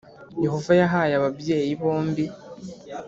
Yehova yahaye ababyeyi bombi